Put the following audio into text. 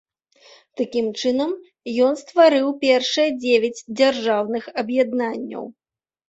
Такім чынам, ён стварыў першыя дзевяць дзяржаўных аб'яднанняў.